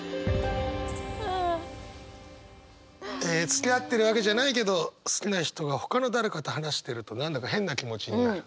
つきあってるわけじゃないけど好きな人がほかの誰かと話してると何だか変な気持ちになる。